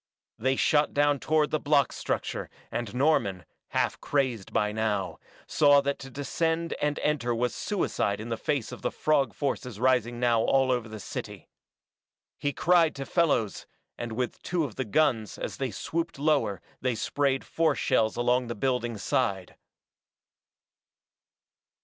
They shot down toward the block structure, and Norman, half crazed by now, saw that to descend and enter was suicide in the face of the frog forces rising now over all the city. He cried to Fellows, and with two of the guns as they swooped lower they sprayed force shells along the building's side.